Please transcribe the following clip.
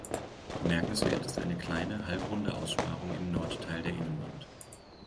Bemerkenswert ist eine kleine, halbrunde Aussparung im Nordteil der Innenwand.